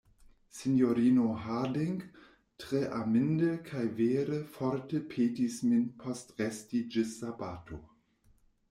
Sinjorino Harding tre aminde kaj vere forte petis min postresti ĝis sabato.